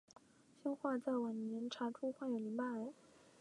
宣化在晚年查出患有淋巴癌。